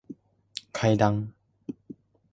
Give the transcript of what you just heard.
階段